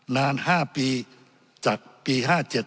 นาน๕ปีจากปี๕๗